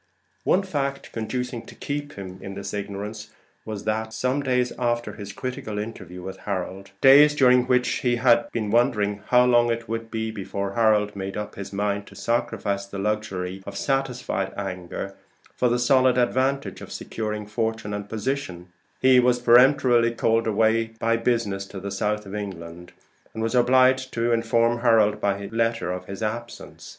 One fact conducing to keep him in this ignorance was, that some days after his critical interview with Harold days during which he had been wondering how long it would be before Harold made up his mind to sacrifice the luxury of satisfied anger for the solid advantage of securing fortune and position he was peremptorily called away by business to the south of England, and was obliged to inform Harold by letter of his absence.